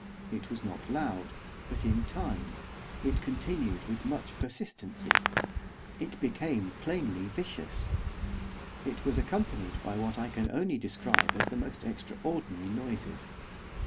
It was not loud, but in time it continued with much persistency it became plainly vicious. It was accompanied by what I can only describe as the most extraordinary noises.